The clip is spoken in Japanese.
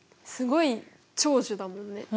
すごい長寿だもんね。